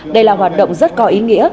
đây là hoạt động rất có ý nghĩa